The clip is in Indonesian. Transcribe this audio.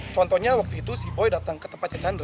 contohnya waktu itu si boy datang ke tempatnya chandra